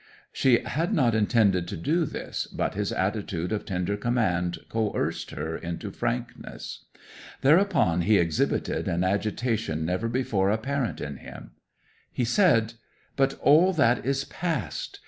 'She had not intended to do this, but his attitude of tender command coerced her into frankness. Thereupon he exhibited an agitation never before apparent in him. He said, "But all that is past.